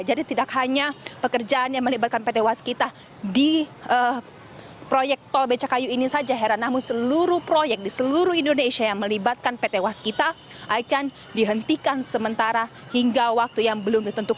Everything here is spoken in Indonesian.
jadi tidak hanya pekerjaan yang melibatkan pt waskita di proyek tol beca kayu ini saja hera namun seluruh proyek di seluruh indonesia yang melibatkan pt waskita akan dihentikan sementara hingga waktu yang belum ditentukan